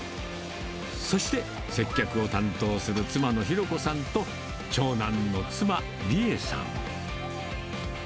そして接客を担当する妻の弘子さんと、長男の妻、りえさん。